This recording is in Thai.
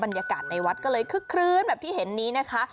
บรรยากาศในวัดก็เลยคึกคลื้นแบบที่เห็นนี้นะคะ